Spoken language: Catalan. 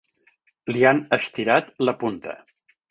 Li han estirat la punta.